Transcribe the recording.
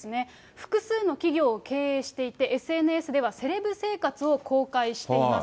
複数の企業を経営していて、ＳＮＳではセレブ生活を公開しています。